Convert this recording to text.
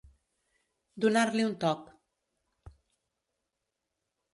Donar-li un toc.